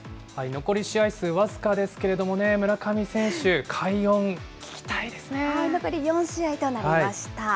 残り試合数僅かですけれどもね、村上選手、快音聞きたいです残り４試合となりました。